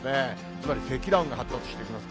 つまり積乱雲が発達していきます。